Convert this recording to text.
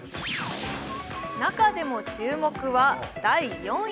中でも注目は第４位。